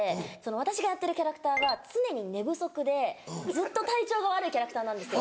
私がやってるキャラクターが常に寝不足でずっと体調が悪いキャラクターなんです。